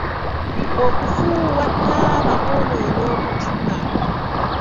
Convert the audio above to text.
Okufuuwa taaba kwonoona omutima.